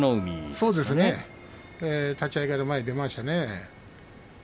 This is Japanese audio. そうですね立ち合いから前に出ました。